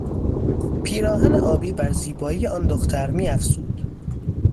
پیراهن آبی بر زیبایی آن دختر میافزود.